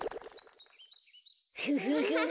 フフフフ！